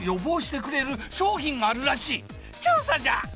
調査じゃ！